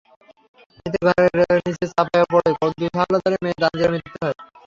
এতে ঘরের নিচে চাপা পড়ে কুদ্দুস হাওলাদারের মেয়ে তানজিলার মৃত্যু হয়।